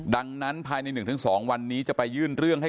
ดังนั้นภายในหนึ่งถึงสองวันนี้จะไปยื่นเรื่องให้